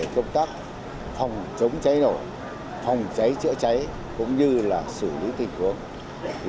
công tác phòng chống cháy nổ phòng cháy chữa cháy cũng như xử lý tình huống